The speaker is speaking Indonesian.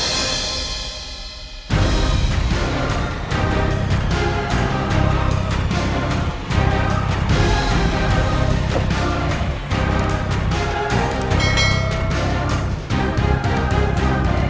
dan aku mau memastikan aturan ini kita bisa tinggal disini